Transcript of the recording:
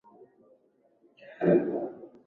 kama wenyeji wa maeneo mengine ya chini